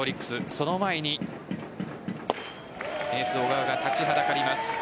その前にエース・小川が立ちはだかります。